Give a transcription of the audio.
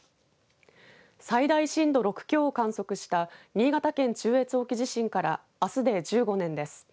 最大震度６強を観測した新潟県中越沖地震からあすで１５年です。